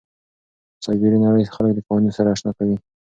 سایبري نړۍ خلک له قوانینو سره اشنا کوي.